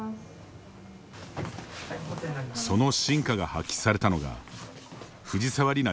その真価が発揮されたのが藤沢里菜